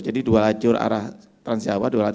jadi dua lacur arah transjawa